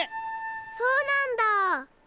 ・そうなんだ！